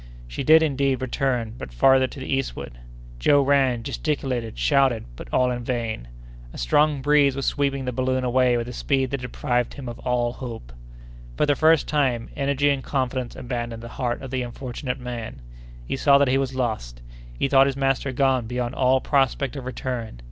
She did, indeed, return, but farther to the eastward. Joe ran, gesticulated, shouted—but all in vain! A strong breeze was sweeping the balloon away with a speed that deprived him of all hope. For the first time, energy and confidence abandoned the heart of the unfortunate man. He saw that he was lost. He thought his master gone beyond all prospect of return.